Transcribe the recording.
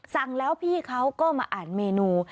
สั่งแล้วพี่เขาก็มาอ่านเมนู